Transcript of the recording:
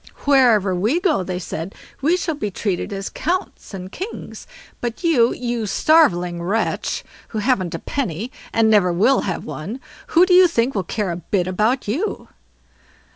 "Wherever we go", they said, "we shall be treated as counts and kings; but you, you starveling wretch, who haven't a penny, and never will have one, who do you think will care a bit about you?"